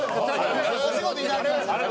お仕事いただきました。